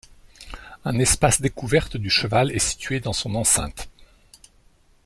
Un espace découverte du cheval est situé dans son enceinte.